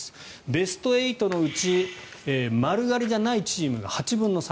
ベスト８のうち丸刈りじゃないチームが８分の３。